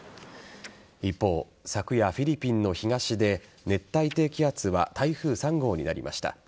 一方昨夜、フィリピンの東で熱帯低気圧は台風３号になりました。